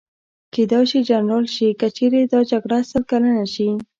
کېدای شي جنرال شي، که چېرې دا جګړه سل کلنه شي.